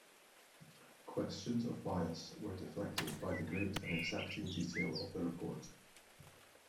Questions of bias were deflected by the great and exacting detail of the report.